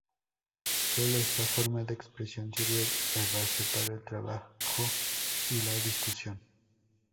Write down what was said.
Sólo esta forma de expresión sirve de base para el trabajo y la discusión.